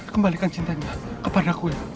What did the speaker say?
kembalikan cintanya kepadaku ya